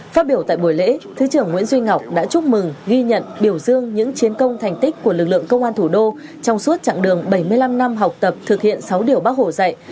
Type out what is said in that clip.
phát biểu tại buổi lễ thứ trưởng nguyễn duy ngọc đã chúc mừng ghi nhận biểu dương những chiến công thành tích của lực lượng công an thủ đô trong suốt chặng đường bảy mươi năm năm học tập thực hiện sáu điều bác hồ dạy